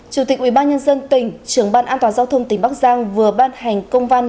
chủ tịch ubnd tỉnh trưởng ban an toàn giao thông tỉnh bắc giang vừa ban hành công văn